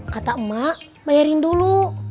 kata emak bayarin dulu